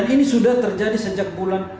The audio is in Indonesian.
ini sudah terjadi sejak bulan